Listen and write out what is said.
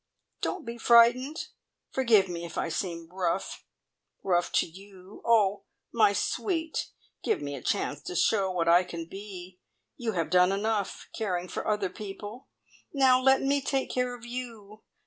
Don't be frightened! Forgive me if I seem rough. Rough to you! Oh, my sweet, give me a chance to show what I could be! You have done enough caring for other people; now let me take care of you!